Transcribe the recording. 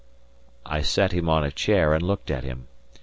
I set him on a chair and looked at him.